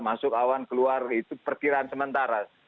masuk awan keluar itu perkiraan sementara